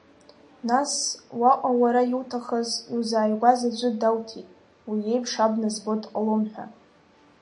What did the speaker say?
Нас уа-ҟа уара иуҭахыз, иузааигәаз аӡәы дауҭеит, уи иеиԥш абна збо дҟалом ҳәа…